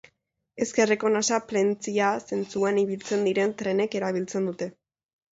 Ezkerreko nasa Plentzia zentzuan ibiltzen diren trenek erabiltzen dute.